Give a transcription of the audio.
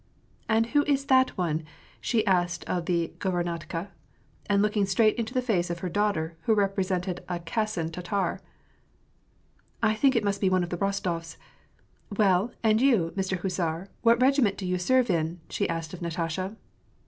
" And who is that one ?" she asked of the guvemantka, and looking straight into the face of her daughter, who represented a Kasan Tatar: "I think it must be one of the Bostofs. Well, and you, Mister Hussar, what regiment do you sen^e in ?" she asked of Natasha.